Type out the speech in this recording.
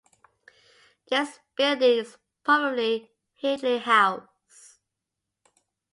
This building is probably Hindley House.